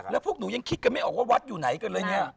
แล้วพวกหนูยังคิดกันไม่ออกว่าวัดอยู่ไหนกันเลยเนี่ย